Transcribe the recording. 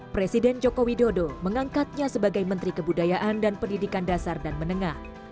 presiden joko widodo mengangkatnya sebagai menteri kebudayaan dan pendidikan dasar dan menengah